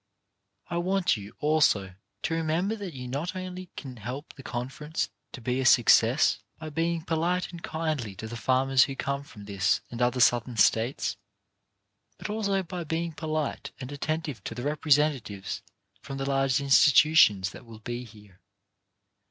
I want you, also, to remember that you not only can help the Conference to be a success by being polite and kindly to the farmers who come from this and other Southern States, but also by being polite and attentive to the representatives from the large institutions that will be here.